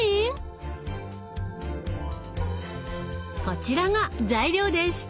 こちらが材料です。